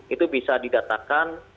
itu bisa didatakan